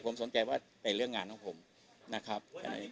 ผมสนใจว่าในเรื่องงานของผมนะครับ